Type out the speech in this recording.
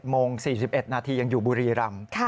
โมง๔๑นาทียังอยู่บุรีรำ